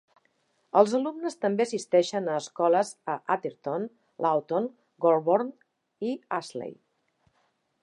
Els alumnes també assisteixen a escoles a Atherton, Lowton, Golborne i Astley.